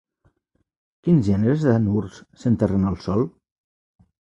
Quins gèneres d'anurs s'enterren al sòl?